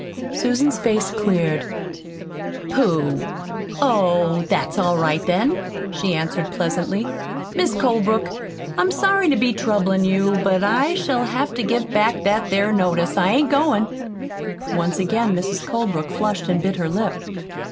Susan's face cleared. "Pooh! Oh, that's all right then," she answered pleasantly. "Mis' Colebrook, I'm sorry to be troublin' you, but I shall have to give back that 'ere notice. I ain't goin'." Once again Mrs. Colebrook flushed and bit her lip.